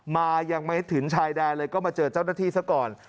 มายังไม่ถึงชายแดนเลยก็มาเจอเจ้าหน้าที่ซะก่อน